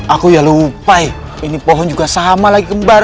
aku ya lupa ini pohon juga sama lagi kembar